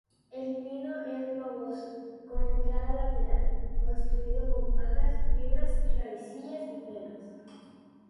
El nido es globoso con entrada lateral, construido con pajas, fibras, raicillas y pelos.